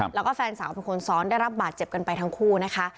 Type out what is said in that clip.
แล้วก็แฟนสาวเป็นคนซ้อนได้รับบาดเจ็บกันไปทั้งคู่นะคะ